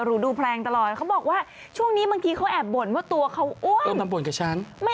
ไปดูกันเผื่อเห็นวัยลาดทำอะไรไม่เคยทำนะฮะ